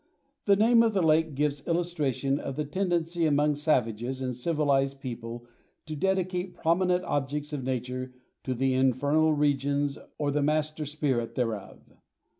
The name of the lake gives illustration of the tendency among savages and civilized people to dedicate prominent objects of nature to the infernal regions or the master spirit thereof.